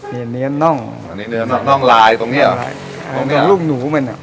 มีเนื้อน่องอันนี้เนื้อน่องลายตรงเนี้ยเหรอตรงเนี้ยลูกหนูมันอ่ะ